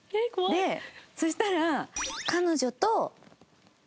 でそしたら。